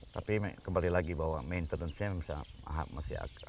tapi kembali lagi bahwa maintenance nya memang penting